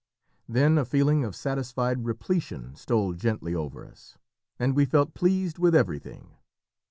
Then a feeling of satisfied repletion stole gently over us, and we felt pleased with everything.